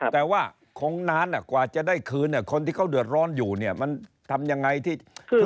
แต่ว่าคงนานกว่าจะได้คืนคนที่เขาเดือดร้อนอยู่เนี่ยมันทำยังไงที่